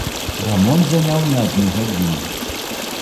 Рамонт заняў не адну гадзіну.